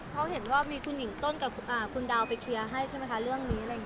เพราะเห็นว่ามีคุณหญิงต้นกับคุณดาวไปเคลียร์ให้ใช่ไหมคะเรื่องนี้อะไรอย่างนี้